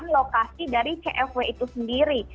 lokasi dari cfw itu sendiri